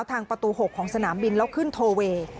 ทางประตู๖ของสนามบินแล้วขึ้นโทเวย์